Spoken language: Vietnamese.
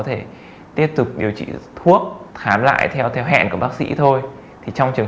thể tiếp tục điều trị thuốc khám lại theo theo hẹn của bác sĩ thôi thì trong trường